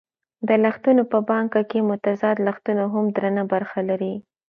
د لغتونه په پانګه کښي متضاد لغتونه هم درنه برخه لري.